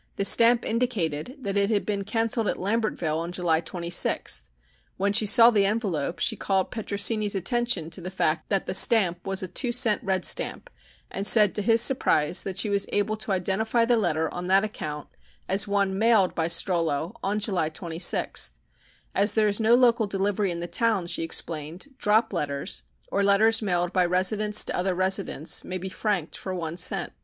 The stamp indicated that it had been cancelled at Lambertville on July 26. When she saw the envelope she called Petrosini's attention to the fact that the stamp was a two cent red stamp, and said, to his surprise, that she was able to identify the letter on that account as one mailed by Strollo on July 26. As there is no local delivery in the town, she explained, "drop letters," or letters mailed by residents to other residents, may be franked for one cent.